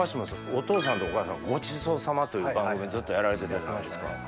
お父さんとお母さん『ごちそうさま』という番組をずっとやられてたじゃないですか。